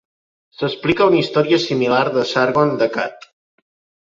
S'explica una història similar de Sargon d'Akkad.